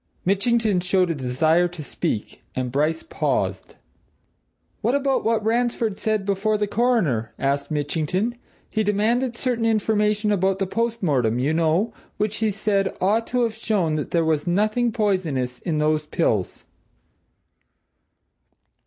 Mitchington showed a desire to speak, and Bryce paused. "What about what Ransford said before the Coroner?" asked Mitchington. "He demanded certain information about the post mortem, you know, which, he said, ought to have shown that there was nothing poisonous in those pills."